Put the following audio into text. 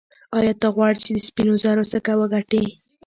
ایا ته غواړې چې د سپینو زرو سکه وګټې.